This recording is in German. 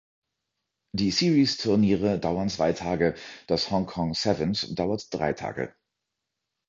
Die Series-Turniere dauern zwei Tage, das Hong Kong Sevens dauert drei Tage.